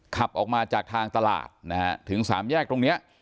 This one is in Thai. ขับออกมาจากทางตลาดนะฮะถึงสามแยกตรงนี้